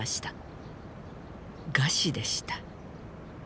餓死でした。